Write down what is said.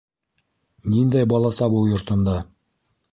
Ниндәй бала табыу йортонда?